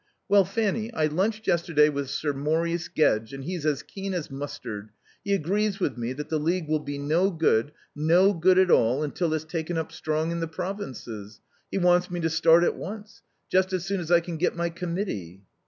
Well, Fanny, I lunched yesterday with Sir Maurice Gedge, and he's as keen as mustard. He agrees with me that the League will be no good, no good at all, until it's taken up strong in the provinces. He wants me to start at once. Just as soon as I can get my Committee."